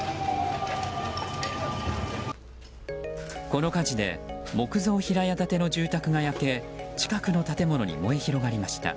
この火事で木造平屋建ての住宅が焼け近くの建物に燃え広がりました。